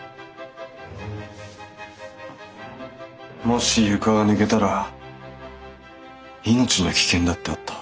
もし床が抜けたら命の危険だってあった。